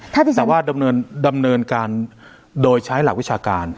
แต่ว่าดำเนินการโดยใช้หลักวิชาการ